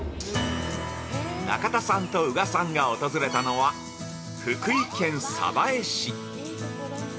中田さんと宇賀さんが訪れたのは福井県鯖江市。